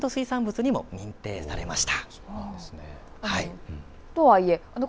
水産物にも認定されました。